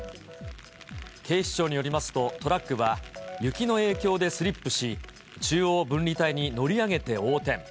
警視庁によりますと、トラックは、雪の影響でスリップし、中央分離帯に乗り上げて横転。